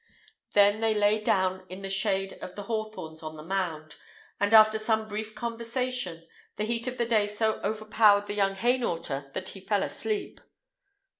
They then lay down in the shade of the hawthorns on the mound; and, after some brief conversation, the heat of the day so overpowered the young Hainaulter that he fell asleep.